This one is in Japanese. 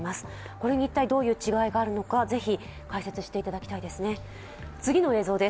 これに一体どういう違いがあるのか、解説していただきたいですね。